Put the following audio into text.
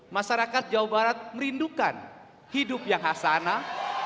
masyarakat jawa barat merindukan hidup yang hasanah